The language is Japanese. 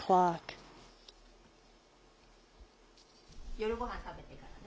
夜ごはん食べてからね。